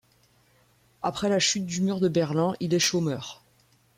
Après la chute du mur de Berlin, il est chômeur.